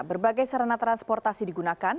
berbagai sarana transportasi digunakan